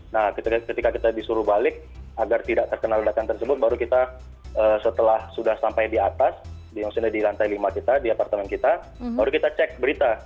nah ketika kita disuruh balik agar tidak terkena ledakan tersebut baru kita setelah sudah sampai di atas di lantai lima kita di apartemen kita baru kita cek berita